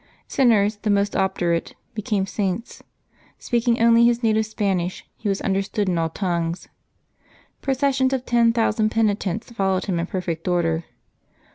Sinners the most obdurate became Saints; speaking only his native Spanish, he was understood in all tongues. Processions of ten thousand penitents followed him in perfect order.